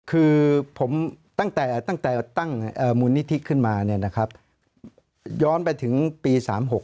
คือผมตั้งแต่ตั้งมูลนิธิขึ้นมาย้อนไปถึงปี๑๙๓๖